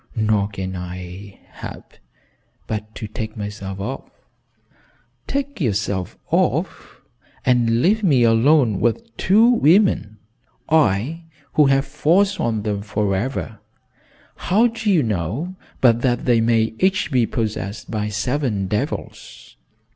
"Nor can I help but to take myself off." "Take yourself off! And leave me alone with two women? I who have foresworn them forever! How do you know but that they may each be possessed by seven devils?